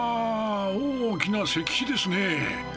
大きな石碑ですね。